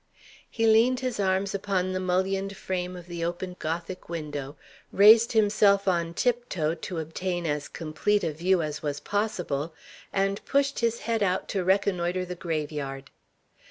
He leaned his arms upon the mullioned frame of the open Gothic window, raised himself on tiptoe to obtain as complete a view as was possible, and pushed his head out to reconnoitre the grave yard.